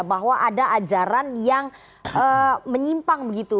bahwa ada ajaran yang menyimpang begitu